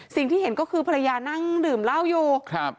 สิ่งที่เห็นก็คือภรรยานั่งดื่มเหล้าอยู่ครับ